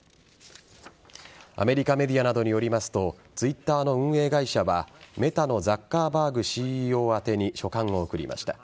アメリカメディアなどによりますとＴｗｉｔｔｅｒの運営会社はＭｅｔａのザッカーバーグＣＥＯ宛てに書簡を送りました。